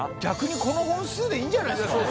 逆にこの本数でいいんじゃないですか？